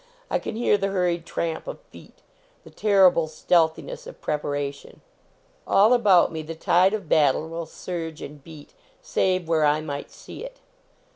I can hear the hurried tramp of feet; the terrible stealthiness of preparation. All about me the tide of battle will surge and beat, save where I might sec it.